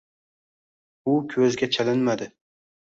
U ko‘zga chalinmadi